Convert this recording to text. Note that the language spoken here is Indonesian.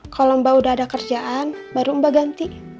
kalau mbak udah ada kerjaan baru mbah ganti